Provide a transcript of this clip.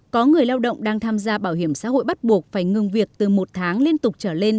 có người lao động đang tham gia bảo hiểm xã hội bắt buộc phải ngừng việc từ một tháng liên tục trở lên